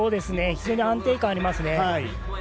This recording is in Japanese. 非常に安定感がありますね。